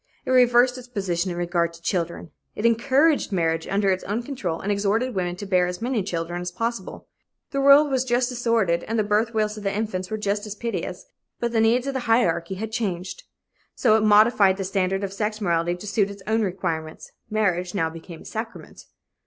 It reversed its position in regard to children. It encouraged marriage under its own control and exhorted women to bear as many children as possible. The world was just as sordid and the birth wails of the infants were just as piteous, but the needs of the hierarchy had changed. So it modified the standard of sex morality to suit its own requirements marriage now became a sacrament.